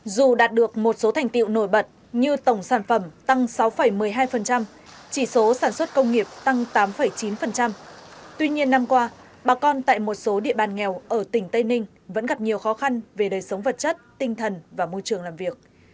dù đạt được một số thành tiệu nổi bật như tổng sản phẩm tăng sáu một mươi hai chỉ số sản xuất công nghiệp tăng tám chín tuy nhiên năm qua bà con tại một số địa bàn nghèo ở tỉnh tây ninh vẫn gặp nhiều khó khăn về đời sống vật chất tinh thần và môi trường làm việc